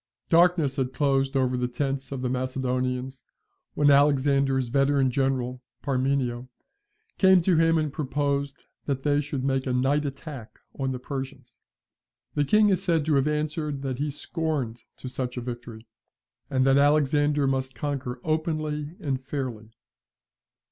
Darkness had closed over the tents of the Macedonians, when Alexander's veteran general, Parmenio, came to him, and proposed that they should make a night attack on the Persians. The King is said to have answered, that he scorned to such a victory, and that Alexander must conquer openly and fairly.